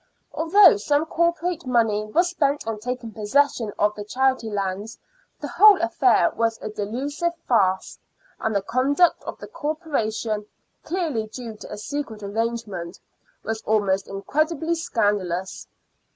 Although some Corporate money was spent on taking possession of the charity lands, the whole affair was a delusive farce, and the conduct of the Corporation, clearly due to a secret arrangement, was almost incredibly scandalous.